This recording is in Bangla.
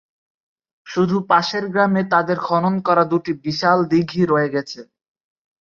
শুধু পাশের গ্রামে তাদের খনন করা দুটি বিশাল দীঘি রয়ে গেছে।